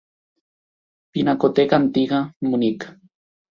Pinacoteca Antiga, Munic.